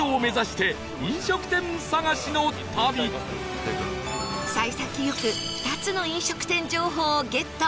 世界遺産幸先良く２つの飲食店情報をゲット